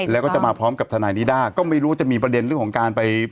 แล้วก็จะมาพร้อมกับทนายนิด้าก็ไม่รู้จะมีประเด็นเรื่องของการไป